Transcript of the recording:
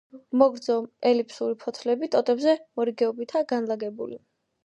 მოგრძო ელიფსური ფოთლები ტოტებზე მორიგეობითაა განლაგებული.